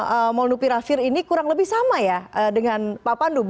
tapi menurut saya obat molnupiravir ini kurang lebih sama ya dengan pak pandu